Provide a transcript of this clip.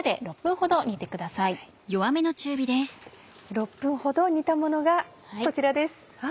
６分ほど煮たものがこちらです。